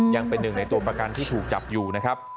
ยังเป็นหนึ่งในตัวประกันที่ถูกจับอยู่นะครับ